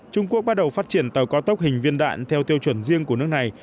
trung quốc bắt đầu phát triển tàu cao tốc hình viên đạn theo tiêu chuẩn riêng của nước này